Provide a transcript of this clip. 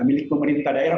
milik pemerintah daerah